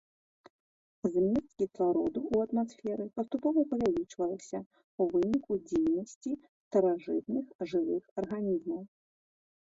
Змест кіслароду ў атмасферы паступова павялічвалася ў выніку дзейнасці старажытных жывых арганізмаў.